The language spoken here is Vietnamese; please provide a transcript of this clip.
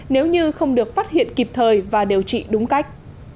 nếu như không được phát hiện kịp thời và điều trị đúng cách